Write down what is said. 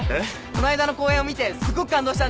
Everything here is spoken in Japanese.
この間の公演を見てすごく感動したんです。